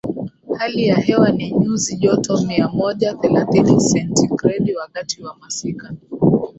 Hali ya hewa ni nyuzi joto mia moja thelathini sentigredi wakati wa masika